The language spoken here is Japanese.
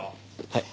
はい。